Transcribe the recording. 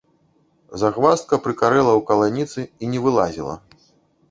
Загваздка прыкарэла ў каланіцы і не вылазіла.